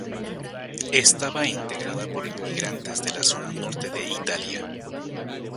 Estaba integrada por inmigrantes de la zona norte de Italia.